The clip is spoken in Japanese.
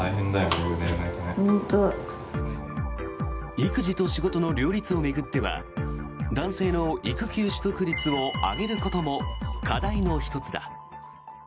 育児と仕事の両立を巡っては男性の育休取得率を上げることも課題の１つだ。